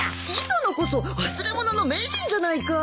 磯野こそ忘れ物の名人じゃないか。